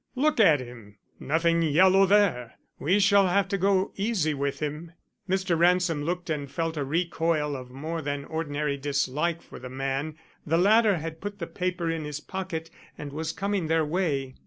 Look at him! Nothing yellow there! We shall have to go easy with him." Mr. Ransom looked and felt a recoil of more than ordinary dislike for the man. The latter had put the paper in his pocket and was coming their way.